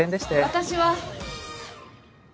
私は。